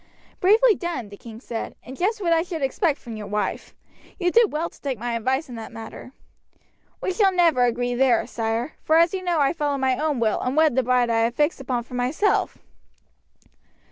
"Bravely done," the king said, "and just what I should expect from your wife. You did well to take my advice in that matter." "We shall never agree there, sire, for as you know I followed my own will and wed the bride I had fixed upon for myself."